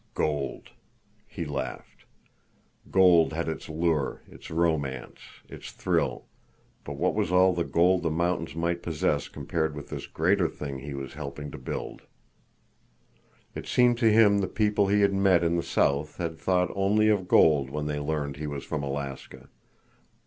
Gold! He laughed. Gold had its lure, its romance, its thrill, but what was all the gold the mountains might possess compared with this greater thing he was helping to build! It seemed to him the people he had met in the south had thought only of gold when they learned he was from Alaska.